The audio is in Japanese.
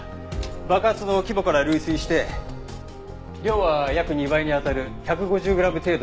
爆発の規模から類推して量は約２倍に当たる１５０グラム程度と思われます。